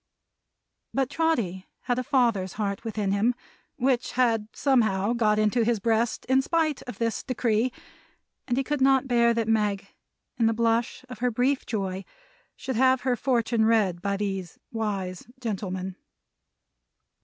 But Trotty had a father's heart within him; which had somehow got into his breast in spite of this decree; and he could not bear that Meg, in the blush of her brief joy, should have her fortune read by these wise gentlemen.